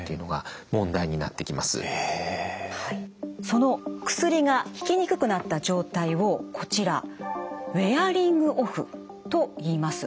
その薬が効きにくくなった状態をこちらウェアリングオフといいます。